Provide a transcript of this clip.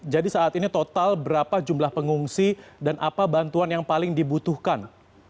jadi saat ini total berapa jumlah pengungsi dan apa bantuan yang paling dibutuhkan